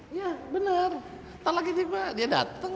iya bener tak lagi tiba dia dateng